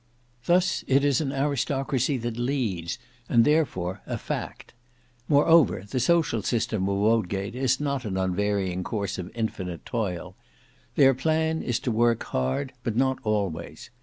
Thus it is an aristocracy that leads, and therefore a fact. Moreover the social system of Wodgate is not an unvarying course of infinite toil. Their plan is to work hard, but not always.